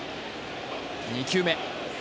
２球目。